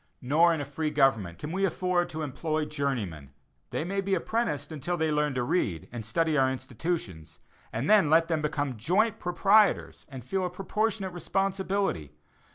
Nor in a free government can we afford to employ journeymen; they may be apprenticed until they learn to read, and study our institutions; and then let them become joint proprietors and feel a proportionate responsibility.